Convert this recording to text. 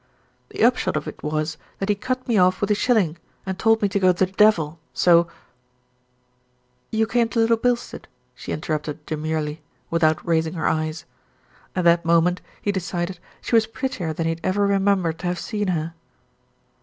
"The upshot of it was that he cut me off with a shilling, and told me to go to the devil, so " "You came to Little Bilstead," she interrupted de murely, without raising her eyes. At that moment, he decided, she was prettier than he had ever remembered to have seen her.